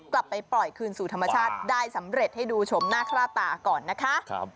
กลับไปปล่อยคืนสู่ธรรมชาติได้สำเร็จให้ดูชมหน้าค่าตาก่อนนะคะ